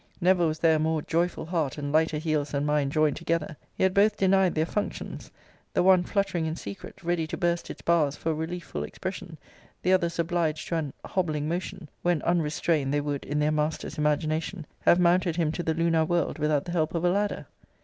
Never was there a more joyful heart and lighter heels than mine joined together; yet both denied their functions; the one fluttering in secret, ready to burst its bars for relief ful expression, the others obliged to an hobbling motion; when, unrestrained, they would, in their master's imagination, have mounted him to the lunar world without the help of a ladder.